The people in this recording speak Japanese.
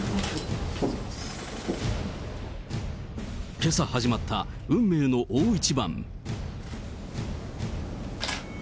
けさ始まった運命の大一番。